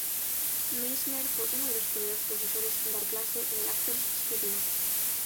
Meisner fue uno de los primeros profesores en dar clase en el Actors Studio.